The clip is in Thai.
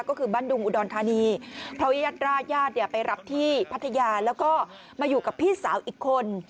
ก็คือบ้านดุงอุดรธานีเพราะญาติราชญาติเนี่ยไปรับที่พัทยาแล้วก็มาอยู่กับพี่สาวอีกคน